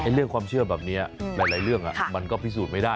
เรื่องความเชื่อแบบนี้หลายเรื่องมันก็พิสูจน์ไม่ได้